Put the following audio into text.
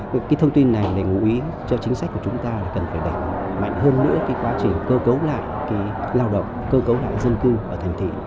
cái thông tin này để ngũ ý cho chính sách của chúng ta là cần phải đẩy mạnh hơn nữa cái quá trình cơ cấu lại cái lao động cơ cấu lại dân cư ở thành thị